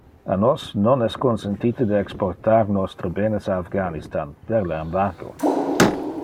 A nos non es consentite de exportar nostre benes a Afghanistan, per le embargo.